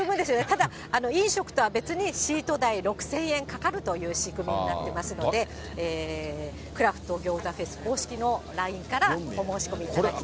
ただ、飲食とは別に、シート代６０００円かかるという仕組みになってますので、クラフト餃子フェス公式のＬＩＮＥからお申込みいただきたい。